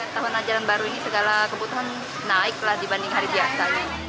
tahun ajaran baru ini segala kebutuhan naik dibanding hari biasa